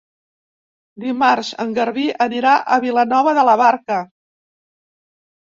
Dimarts en Garbí anirà a Vilanova de la Barca.